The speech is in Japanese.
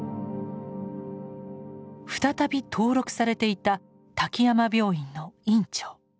再び登録されていた滝山病院の院長。